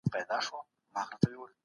د صداقت قانون اعتماد جوړوي.